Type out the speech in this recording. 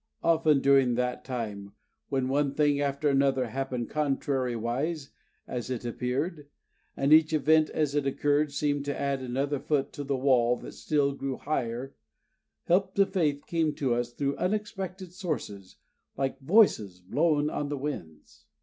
Often during that time, when one thing after another happened contrariwise, as it appeared, and each event as it occurred seemed to add another foot to the wall that still grew higher, help to faith came to us through unexpected sources like voices blown on the winds.